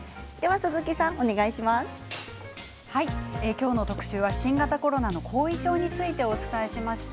今日の特集は新型コロナの後遺症についてお伝えしました。